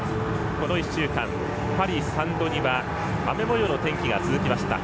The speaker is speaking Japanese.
この１週間パリ・サンドニは雨もようの天気が続きました。